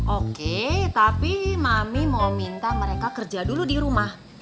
oke tapi mami mau minta mereka kerja dulu di rumah